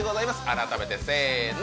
改めてせーの